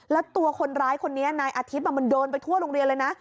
แล้วตัวคนร้ายคนนี้นายอาทิตย์มันโดนไปทั่วโรงเรียนเลยนะ